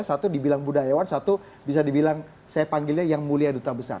satu dibilang budayawan satu bisa dibilang saya panggilnya yang mulia duta besar